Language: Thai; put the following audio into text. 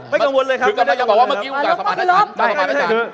ไม่กังวลเลยครับไม่ได้กังวลเลยครับ